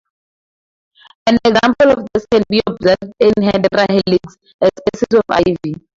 An example of this can be observed in "Hedera helix", a species of ivy.